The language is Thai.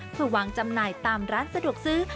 เพื่อวางจำหน่ายตามร้านสะดวกซื้อ